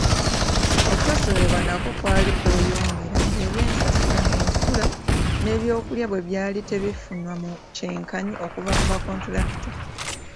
Okusosolebwa nakwo kwali kweyongera nga eby'ensasula, ensula, n'ebyokulya bwe byali tebifunwa kyenkanyi okuva mu bakontulakita.